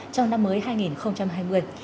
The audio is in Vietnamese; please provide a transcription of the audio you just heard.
trong năm mới hai nghìn hai mươi